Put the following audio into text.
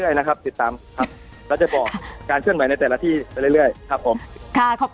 แล้วจะบอกการเคลื่อนไหวในแต่ละที่ได้เรื่อยครับผม